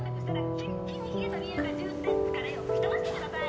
「キンキンに冷えたビールかジュースで疲れを吹き飛ばしてください」